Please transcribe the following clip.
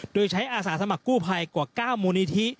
โดยใช้อาสาสมัครกู้ภัยกว่า๙มูลนิธิ